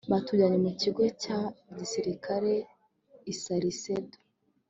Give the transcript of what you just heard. batujyanye mu kigo cya gisirikare i salcedo